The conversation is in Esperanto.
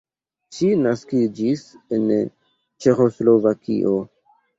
Ŝi naskiĝis en Ĉeĥoslovakio.